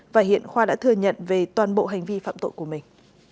và hiện khoa đã thừa nhận về toàn bộ hành vi phạm tội của mình